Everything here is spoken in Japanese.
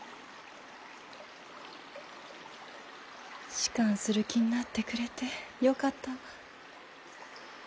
仕官する気になってくれてよかったわ。